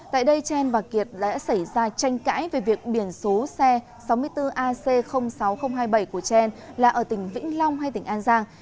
tại đây trang và kiệt đã xảy ra tranh cãi về việc biển số xe sáu mươi bốn ac sáu nghìn hai mươi bảy của trang là ở tỉnh vĩnh long hay tỉnh an giang